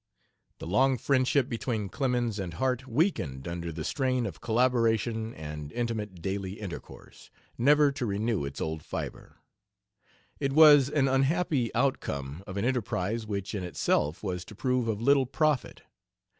The long friendship between Clemens and Harte weakened under the strain of collaboration and intimate daily intercourse, never to renew its old fiber. It was an unhappy outcome of an enterprise which in itself was to prove of little profit.